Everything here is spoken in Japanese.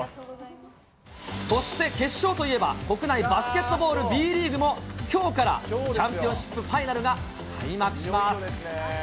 そして決勝といえば、国内バスケットボール、Ｂリーグもきょうからチャンピオンシップファイナルが開幕します。